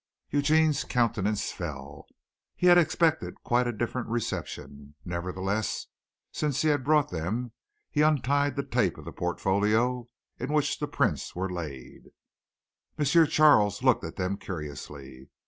Eugene's countenance fell. He had expected quite a different reception. Nevertheless, since he had brought them, he untied the tape of the portfolio in which the prints were laid. M. Charles looked at them curiously.